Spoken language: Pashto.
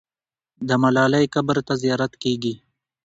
د ملالۍ قبر ته زیارت کېږي.